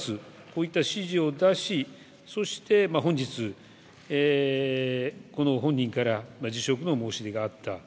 こういった指示を出しそして本日、本人から辞職の申し出があった。